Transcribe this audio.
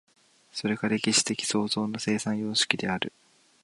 それが歴史的創造の生産様式である。